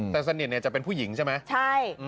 แต่สนิทเนี่ยจะเป็นผู้หญิงใช่ไหมใช่